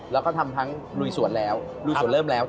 แล้วก็ทำทั้งลุยสวนแล้วลุยสวนเริ่มแล้ว